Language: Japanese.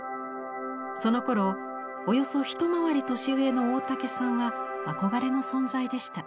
そのころおよそ一回り年上の大竹さんは憧れの存在でした。